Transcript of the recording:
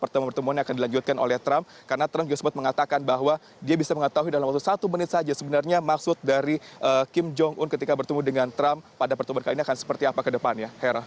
pertemuan pertemuan yang akan dilanjutkan oleh trump karena trump juga sempat mengatakan bahwa dia bisa mengetahui dalam waktu satu menit saja sebenarnya maksud dari kim jong un ketika bertemu dengan trump pada pertemuan kali ini akan seperti apa ke depannya hera